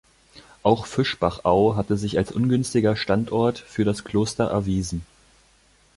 Auch Fischbachau hatte sich als ungünstiger Standort für das Kloster erwiesen.